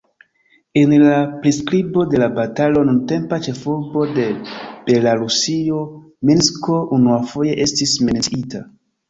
En la priskribo de la batalo nuntempa ĉefurbo de Belarusio Minsko unuafoje estis menciita.